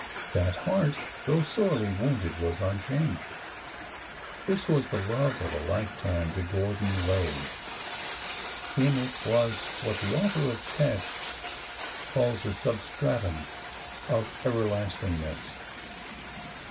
That heart, though sorely wounded, was unchanged. This was the love of a lifetime to Gordon Lay ; in it was what the author of '' Tess '' calls '' a substratum of ever lastingness.''